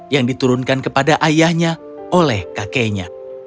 yang diturunkan kepada ayahnya oleh kakeknya